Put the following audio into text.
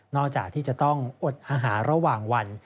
จากที่จะต้องอดอาหารระหว่างวัน